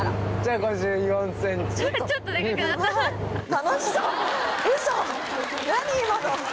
楽しそう。